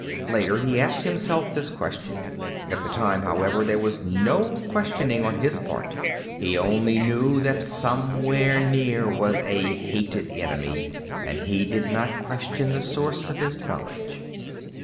Later, he asked himself this question. At the time, however, there was no questioning on his part. He only knew that somewhere near was a hated enemy and he did not question the source of his knowledge....